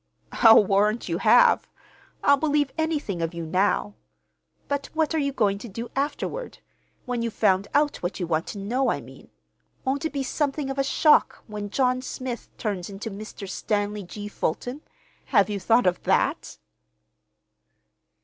"I'll warrant you have! I'll believe anything of you now. But what are you going to do afterward—when you've found out what you want to know, I mean? Won't it be something of a shock, when John Smith turns into Mr. Stanley G. Fulton? Have you thought of that?"